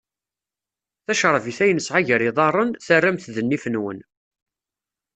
Tacerbiṭ ay nesɛa gar yiḍarren, terram-t d nnif-nwen.